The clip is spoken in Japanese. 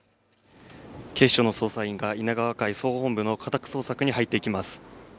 警視庁の捜査員が稲川会総本部の家宅捜索に入っていきます